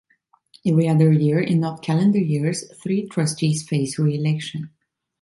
Every other year, in odd calendar years, three trustees face re-election.